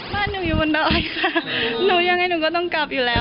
บ้านหนูอยู่บนดอยค่ะหนูยังไงหนูก็ต้องกลับอยู่แล้ว